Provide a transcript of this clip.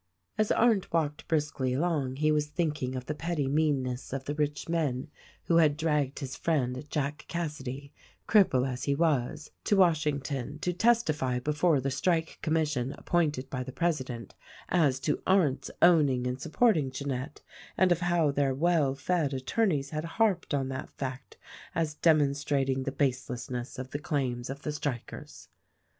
As Arndt walked briskly along he was thinking of the petty meanness of the rich men who had dragged his friend Jack Cassady, cripple as he was, to Washington to testify before the Strike Commission appointed by the president as to Arndt's owning and supporting Jeanette, and of how their well fed attorneys had harped on that fact as demon strating the baselessness of the claims of the strikers.